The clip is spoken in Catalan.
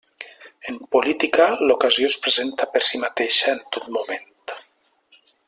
En política, l'ocasió es presenta per si mateixa en tot moment.